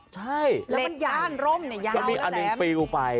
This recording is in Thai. เป็นอัดีตปิวไป